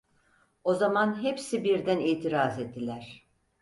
O zaman hepsi birden itiraz ettiler: